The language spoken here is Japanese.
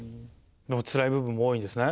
でもつらい部分も多いんですね？